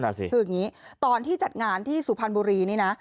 คืออย่างนี้ตอนที่จัดงานที่สุพรรณบุรีนี่นะ